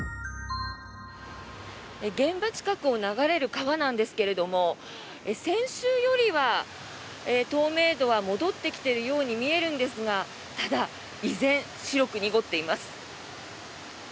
現場近くを流れる川なんですけれど先週よりは透明度は戻ってきているように見えるんですがただ、依然、白く濁っています。